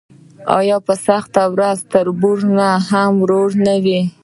آیا په سخته ورځ تربور هم ورور نه وي؟